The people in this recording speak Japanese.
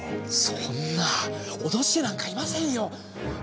そんな脅してなんかいませんよ。